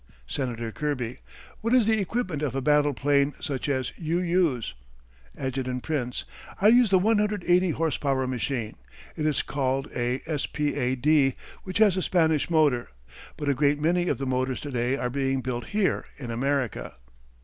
Senator Kirby: What is the equipment of a battle plane such as you use? Adjt. Prince: I use the 180 horse power machine. It is called a "S. P. A. D.," which has a Spanish motor. But a great many of the motors to day are being built here in America.